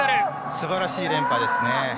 すばらしい連覇ですね。